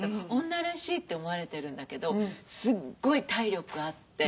女らしいって思われてるんだけどすごい体力あって。